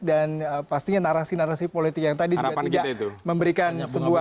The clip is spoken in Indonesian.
dan pastinya narasi narasi politik yang tadi juga tidak memberikan sebuah